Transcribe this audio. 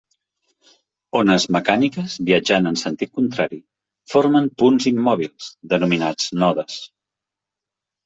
Ones mecàniques viatjant en sentit contrari formen punts immòbils, denominats nodes.